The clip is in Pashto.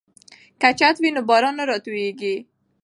که چت وي نو باران نه راتوییږي.